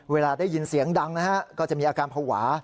เวลาได้ยินเสียงดังนะฮะก็จะมีอาการภาวะ